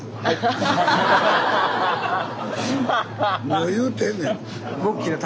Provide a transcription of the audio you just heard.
もう言うてんねん。